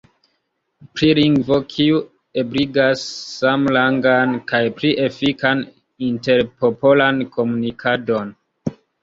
Pri lingvo kiu ebligas samrangan kaj pli efikan interpopolan komunikadon?